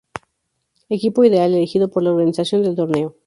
Equipo ideal elegido por la organización del torneo.